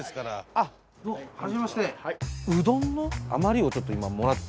あっどうも初めまして。